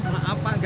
maaf nggak sengaja